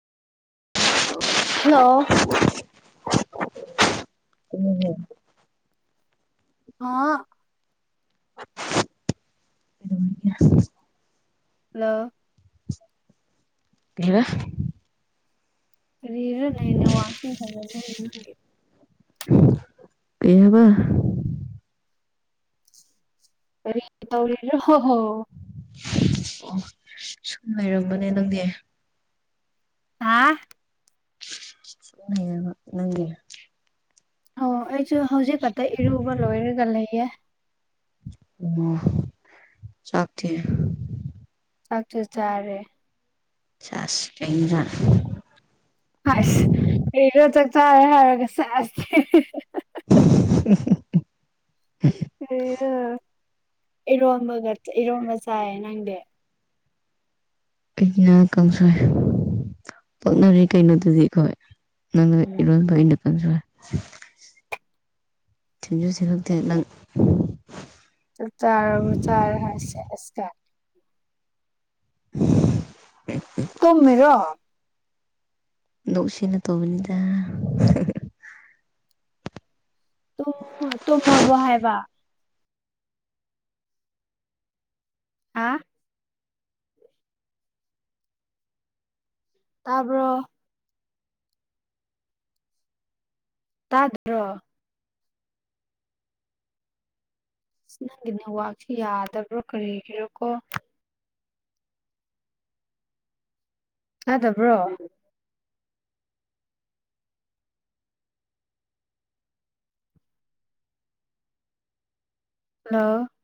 hello [unintelligible] ꯑꯥ [unintelligible] hello ꯀꯔꯤꯔ ꯀꯔꯤꯔꯅꯦ ꯅꯦꯠꯋꯥꯛꯁꯦ ꯐꯖꯗꯦꯅꯦ ꯅꯪꯒꯤ ꯀꯩ ꯍꯥꯏꯕ ꯀꯔꯤ ꯇꯧꯔꯤꯔꯣ ꯑꯣ ꯁꯨꯝ ꯂꯩꯔꯝꯕꯅꯦ ꯅꯪꯗꯤ ꯍꯥ ꯂꯩꯌꯦꯕ ꯅꯪꯗꯤ ꯑꯣ ꯑꯩꯖꯨ ꯍꯧꯖꯤꯛ ꯈꯛꯇ ꯏꯔꯨꯕ ꯂꯣꯏꯔꯒ ꯂꯩꯌꯦ ꯑꯣ ꯆꯥꯛꯇꯤ ꯆꯥꯛꯆꯨ ꯆꯔꯦ ꯁꯦꯁ ꯀꯩ ꯑꯦꯟꯖꯥꯡ ꯍꯥꯁ ꯀꯔꯤꯔ ꯆꯥꯛ ꯆꯥꯔꯦ ꯍꯥꯏꯔ ꯁꯦꯁ ꯍꯤ ꯍꯤ ꯍꯤ [unintelligible] ꯀꯔꯤꯔ ꯏꯔꯣꯝꯕꯒ ꯏꯔꯣꯝꯕ ꯆꯥꯏ ꯅꯪꯗꯤ ꯑꯩꯅ ꯀꯥꯡꯁꯣꯏ ꯄꯣꯛꯅꯕꯗꯤ ꯀꯩꯅꯣꯗꯨꯗꯤ ꯈꯣꯏ ꯅꯪꯅ ꯎꯝ ꯏꯔꯣꯟꯕ ꯑꯩꯅ ꯀꯥꯡꯁꯣꯏ [unintelligible] ꯅꯪ ꯆꯥꯛ ꯆꯥꯔꯕꯣ ꯆꯥꯔꯦ ꯍꯥꯏ ꯁꯦꯁꯀꯥꯏ [inaudible] ꯇꯨꯝꯃꯤꯔꯣ ꯅꯣꯛꯁꯤ ꯅ ꯇꯧꯕꯅꯤꯗ ꯇꯨꯝ ꯇꯨꯝꯃꯕꯣ ꯍꯥꯏꯕ ꯍꯥ ꯇꯥꯕ꯭ꯔꯣ ꯇꯥꯗꯕ꯭ꯔꯣ ꯑꯁ ꯅꯪꯒꯤ ꯅꯦꯠꯋꯥꯛꯁꯨ ꯌꯥꯗꯕ꯭ꯔ ꯀꯔꯤꯒꯤꯔ ꯀꯣ ꯇꯥꯗꯕ꯭ꯔꯣ ꯍꯦꯜꯂꯣ